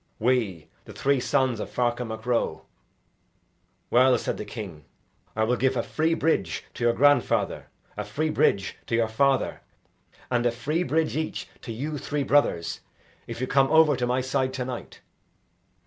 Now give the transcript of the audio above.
"We, the three sons of Ferchar Mac Ro." "Well," said the king, "I will give a free bridge to your grandfather, a free bridge to your father, and a free bridge each to you three brothers, if you come over to my side to night."